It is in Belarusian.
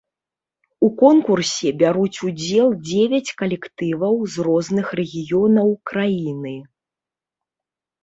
У конкурсе бяруць удзел дзевяць калектываў з розных рэгіёнаў краіны.